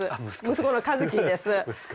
息子の一樹です。